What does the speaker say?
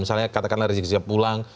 misalnya katakanlah rezeki pulang